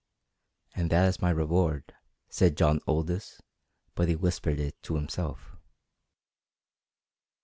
"And that is my reward," said John Aldous, but he whispered it to himself.